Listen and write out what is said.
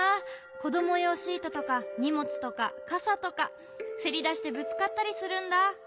こどもようシートとかにもつとかかさとか。せりだしてぶつかったりするんだ。